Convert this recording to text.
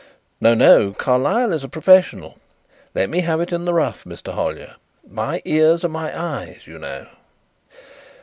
"No, no; Carlyle is a professional. Let me have it in the rough, Mr. Hollyer. My ears are my eyes, you know."